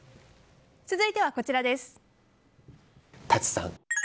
続いては、こちらです。